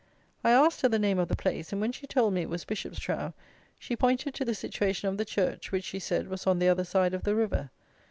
I asked her the name of the place, and when she told me it was Bishopstrow, she pointed to the situation of the church, which, she said, was on the other side of the river.